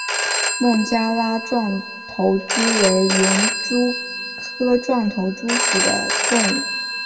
孟加拉壮头蛛为园蛛科壮头蛛属的动物。